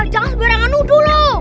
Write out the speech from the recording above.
jangan sebera nganudu lo